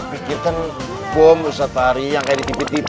saya pikir kan bom usah tari yang kayak di tv tv